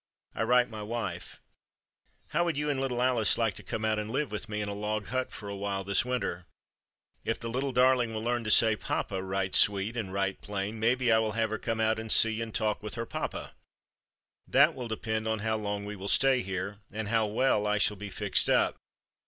I write my wife: "How would you and little Alice like to come out and live with me in a log hut for a while this winter? If the little darling will learn to say 'papa' right sweet and right plain, maybe I will have her come out and see and talk with her 'papa.' That will depend on how long we will stay here, and how well I shall be fixed up.